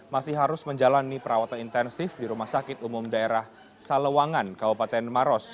masih harus menjalani perawatan intensif di rumah sakit umum daerah salewangan kabupaten maros